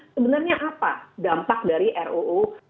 sebenarnya apa dampak dari ruu